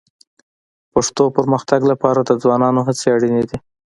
پښتو پرمختګ لپاره د ځوانانو هڅې اړیني دي